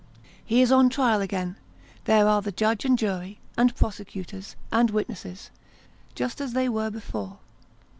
He is on his trial again : there are the judge and jury, and prosecutors, and witnesses, just as they were before.